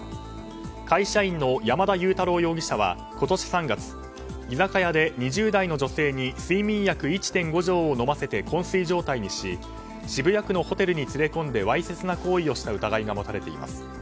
会社員の山田雄太郎容疑者は今年３月居酒屋で２０代の女性に睡眠薬１．５錠を飲ませてこん睡状態にし渋谷区のホテルに連れ込んでわいせつな行為をした疑いが持たれています。